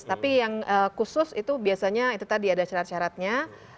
tapi yang khusus itu biasanya itu tadi ada syarat syaratnya